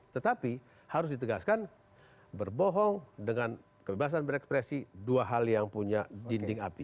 tetapi harus ditegaskan berbohong dengan kebebasan berekspresi dua hal yang punya dinding api